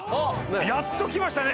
やっと来ましたね！